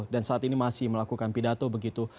dan saat ini masih melakukan pidato begitu